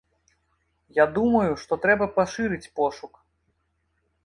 Я думаю, што трэба пашырыць пошук.